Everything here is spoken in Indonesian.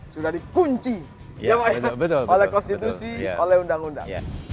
sudah dikunci oleh konstitusi oleh undang undang